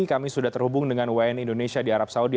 kami sudah terhubung dengan wni indonesia di arab saudi